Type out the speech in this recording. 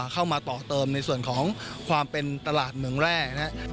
เข้ามาต่อเติมในส่วนของความเป็นตลาดเมืองแร่นะครับ